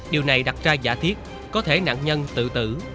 điều này đặt ra giả thiết có thể nạn nhân tự tử